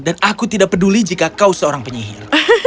aku tidak peduli jika kau seorang penyihir